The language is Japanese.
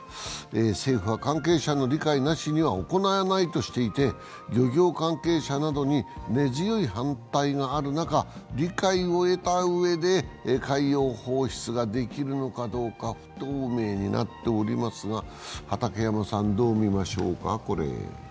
政府は、関係者の理解なしには行わないとしていて漁業関係者などに根強い反対がある中、理解を得たうえで、海洋放出ができるのかどうか、不透明になっておりますが、どう見ましょうか。